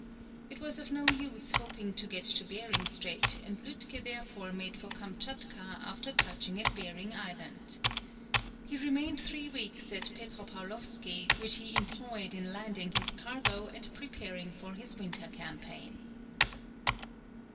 It was of no use hoping to get to Behring Strait, and Lütke therefore made for Kamtchatka after touching at Behring Island. He remained three weeks at Petropaulovsky, which he employed in landing his cargo and preparing for his winter campaign.